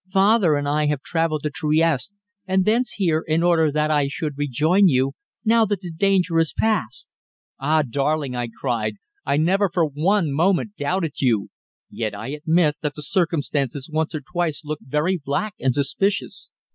Father and I have travelled to Trieste, and thence here, in order that I should rejoin you, now that the danger is past." "Ah! darling," I cried. "I never for one moment doubted you! Yet I admit that the circumstances once or twice looked very black and suspicious."